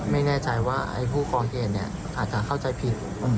ไม่แน่ใจว่าไอ้ผู้ก่อเหตุอาจจะเข้าใจผิด